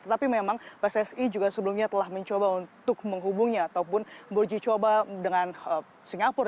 tetapi memang pssi juga sebelumnya telah mencoba untuk menghubungnya ataupun berji coba dengan singapura